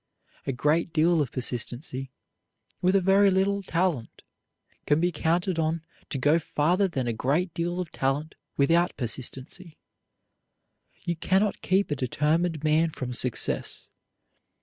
A great deal of persistency, with a very little talent, can be counted on to go farther than a great deal of talent without persistency. You cannot keep a determined man from success.